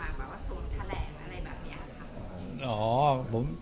แต่ว่าเป็นชโนตอื่นเอามาแบบว่าสูงแทรกอะไรแบบนี้ครับ